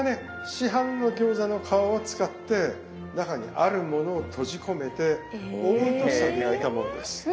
市販の餃子の皮を使って中にあるものを閉じ込めてオーブントースターで焼いたものです。